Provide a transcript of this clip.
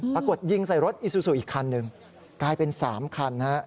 ปรากฏยิงใส่รถอีซูซูอีกคันหนึ่งกลายเป็น๓คันฮะ